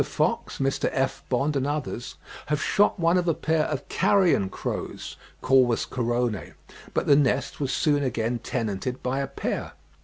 Fox, Mr. F. Bond, and others have shot one of a pair of carrion crows (Corvus corone), but the nest was soon again tenanted by a pair.